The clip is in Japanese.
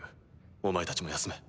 お前たちも休め。